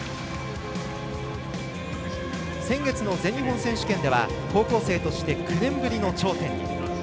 先月の全日本では高校生として９年ぶりの頂点に。